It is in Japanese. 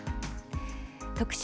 特集